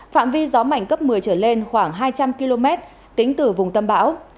phạm vi gió mạnh cấp một mươi trở lên khoảng hai trăm linh km tính từ vùng tâm bão